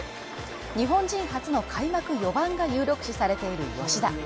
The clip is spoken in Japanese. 日本人初の開幕４番が有力視されている吉田。